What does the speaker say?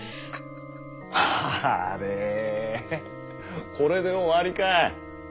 あれこれで終わりかい？